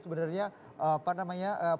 sebenarnya apa namanya